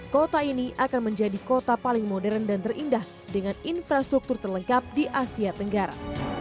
kota ini akan menjadi kota paling modern dan terindah dengan infrastruktur terlengkap di asia tenggara